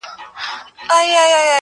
o د کمبلي پر يوه سر غم دئ، پر بل ښادي!